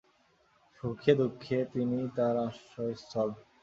সুখে দুঃখে তিনিই তাহার আশ্রয়স্থল।